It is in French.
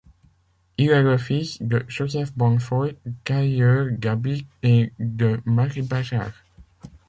Il est le fils de Joseph Bonnefoy, tailleur d'habits et de Marie Bajard.